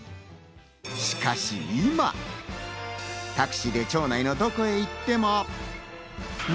しかし今、タクシーで町内をどこに行っても。